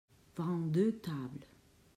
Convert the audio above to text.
Vingt-deux tables.